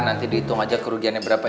nanti dihitung aja kerugiannya berapa